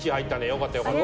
よかったよかった。